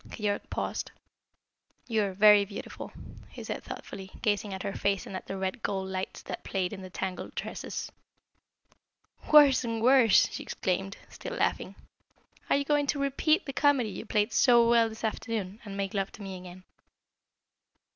Keyork paused. "You are very beautiful," he said thoughtfully, gazing at her face and at the red gold lights that played in the tangled tresses. "Worse and worse!" she exclaimed, still laughing. "Are you going to repeat the comedy you played so well this afternoon, and make love to me again?"